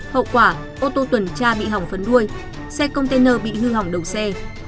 hậu quả ô tô tuần tra bị hỏng phấn đuôi xe container bị hư hỏng đầu xe